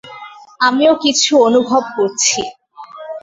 আমিও কিছু অনুভব করছি।